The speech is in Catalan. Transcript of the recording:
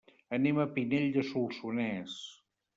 Anem a Pinell de Solsonès.